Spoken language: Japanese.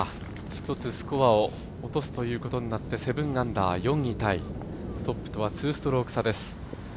一つスコアを落として７アンダー、４位タイトップとは２ストローク差です。